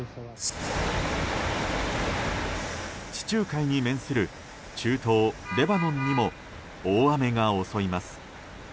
地中海に面する中東レバノンにも大雨が襲います。